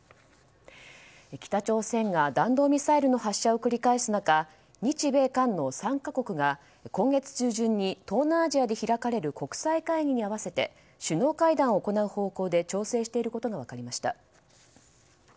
北朝鮮が弾道ミサイルの発射を繰り返す中日米韓の３か国が今月中旬に東南アジアで開かれる国際会議に合わせて首脳会談を行う方向で調整していることが分かりました。